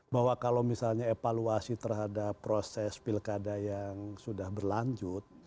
bahwa kalau misalnya evaluasi terhadap proses pilkada yang sudah berlanjut